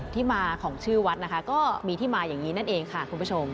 ที่มาของชื่อวัดนะคะก็มีที่มาอย่างนี้นั่นเองค่ะคุณผู้ชม